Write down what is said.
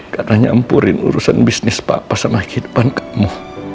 karena nyampurin urusan bisnis papa sama kehidupan kamu